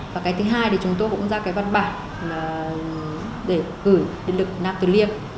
và cái thứ hai thì chúng tôi cũng ra cái văn bản để gửi liên lực nam từ liêng